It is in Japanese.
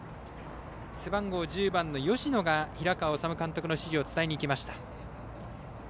背番号１０番の吉野が平川敦監督の指示を伝えに行きました。